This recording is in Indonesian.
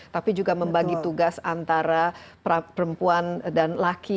tapi juga membagi tugas antara perempuan dan laki